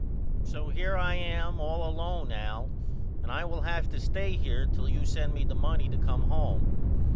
So here I am all alone Al and I will have to stay here till you send me the money to come home.